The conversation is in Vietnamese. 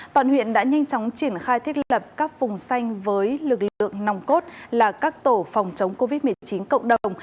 toàn huyện đã nhanh chóng triển khai thiết lập các vùng xanh với lực lượng nòng cốt là các tổ phòng chống covid một mươi chín cộng đồng